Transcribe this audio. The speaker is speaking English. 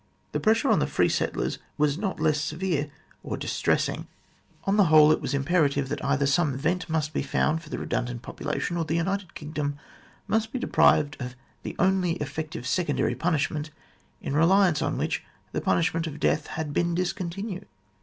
The pressure on the free settlers was not less severe or distress ing. On the whole, it was imperative that either some vent must be found for the redundant population, or the United Kingdom must be deprived of the only effective secondary punishment, in reliance on which the punishment of death had been discontinued.